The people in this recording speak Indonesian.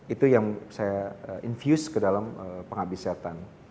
itu yang saya infuse ke dalam penghabis setan